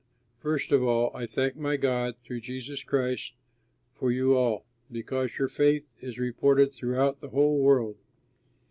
First of all I thank my God through Jesus Christ for you all, because your faith is reported throughout the whole world.